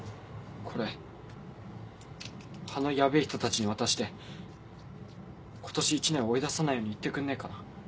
これあのヤベェ人たちに渡して今年一年は追い出さないように言ってくんねえかな？